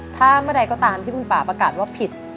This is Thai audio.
ถ้าเมื่อใดก็ตามที่คุณป่าประกาศว่าผิด